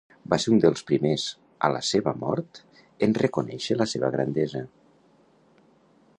Va ser un dels primers, a la seva mort, en reconèixer la seva grandesa.